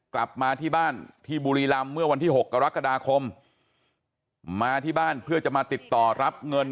กลับมาที่บ้านที่บุรีรำเมื่อวันที่๖กรกฎาคมมาที่บ้านเพื่อจะมาติดต่อรับเงิน